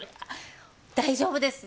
大丈夫です。